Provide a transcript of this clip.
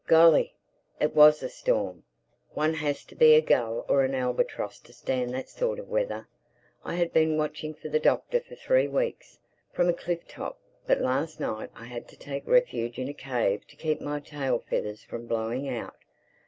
Golly, it was a storm! One has to be a gull or an albatross to stand that sort of weather. I had been watching for the Doctor for three weeks, from a cliff top; but last night I had to take refuge in a cave to keep my tail feathers from blowing out.